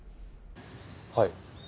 はい。